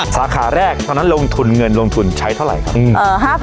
สาขาแรกตอนนั้นลงทุนเงินลงทุนใช้เท่าไหร่ครับ